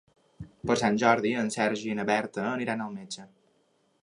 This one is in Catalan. Per Sant Jordi en Sergi i na Berta aniran al metge.